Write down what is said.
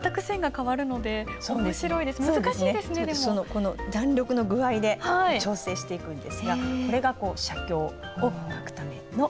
この弾力の具合で調整していくんですがこれが写経を書くための筆なんですね。